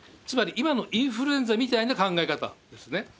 つまり今のインフルエンザみたいな考え方ですね。